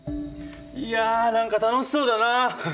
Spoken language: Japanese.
いや何か楽しそうだな。